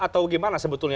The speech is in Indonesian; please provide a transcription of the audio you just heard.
atau gimana sebetulnya